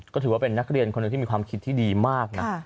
ก็ถือว่าเป็นนักเรียนคนหนึ่งที่มีความคิดที่ดีมากนะ